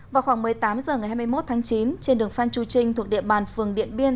vào khoảng một mươi tám h ngày hai mươi một tháng chín trên đường phan chu trinh thuộc địa bàn phường điện biên